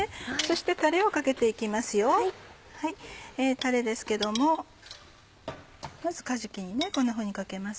たれですけどもまずかじきにこんなふうにかけます。